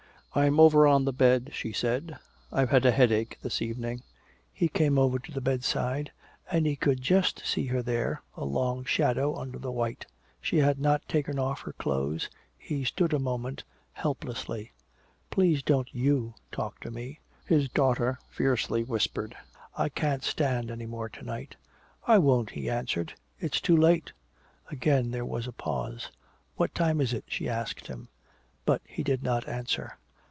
"I'm over on the bed," she said. "I've had a headache this evening." He came over to the bedside and he could just see her there, a long shadow upon the white. She had not taken off her clothes. He stood a moment helplessly. "Please don't you talk to me!" His daughter fiercely whispered. "I can't stand any more to night!" "I won't," he answered. "It's too late." Again there was a pause. "What time is it?" she asked him. But he did not answer.